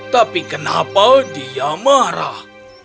tapi kenapa dia marah